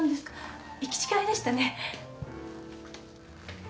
行き違いでしたね。